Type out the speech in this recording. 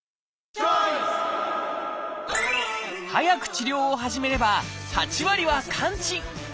早く治療を始めれば８割は完治。